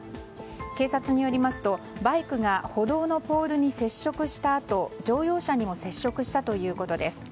警察によりますと、バイクが歩道のポールに接触したあと乗用車にも接触したということです。